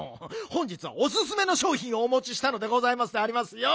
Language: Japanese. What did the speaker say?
本日はおすすめのしょうひんをおもちしたのでございますでありますよ」。